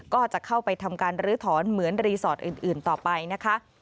ก็จะเข้าไปทำการลื้อถอนเหมือนรีสอร์ทอื่นต่อไปนะคะ